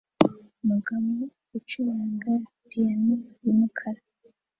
Umugabo ucuranga piyano yumukara